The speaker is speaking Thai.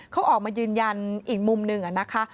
เขาออกมายืนยันอีกมุมหนึ่งนะคะ